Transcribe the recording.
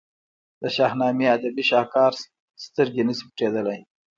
د شاهنامې ادبي شهکار سترګې نه شي پټېدلای.